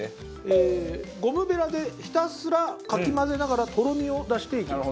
ゴムベラでひたすらかき混ぜながらとろみを出していきます。